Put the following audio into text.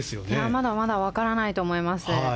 まだまだ分からないと思います。